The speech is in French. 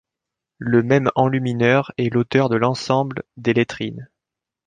Le même enlumineur est l'auteur de l'ensemble des lettrines.